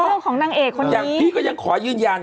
หนักผมของนางเอกคนนี้อย่างนี้ก็ยังขอยืนยัง